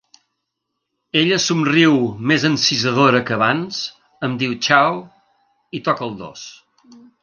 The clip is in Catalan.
Ella somriu més encisadora que abans, em diu «ciao» i toca el dos.